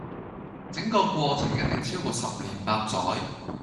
整個過程一定超過十年八載